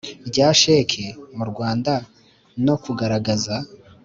rya sheki mu Rwanda no kugaragaza